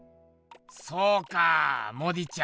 そうかモディちゃん